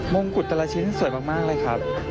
งงกุฎแต่ละชิ้นสวยมากเลยครับ